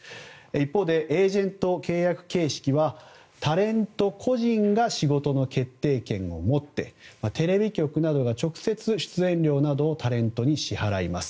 一方で、エージェント契約形式はタレント個人が仕事の決定権を持ってテレビ局などが直接出演料などをタレントに支払います。